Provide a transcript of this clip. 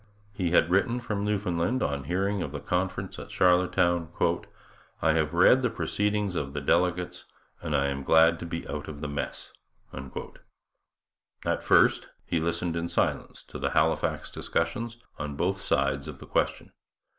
He had written from Newfoundland, on hearing of the conference at Charlottetown: 'I have read the proceedings of the delegates and I am glad to be out of the mess.' At first he listened in silence to the Halifax discussions on both sides of the question.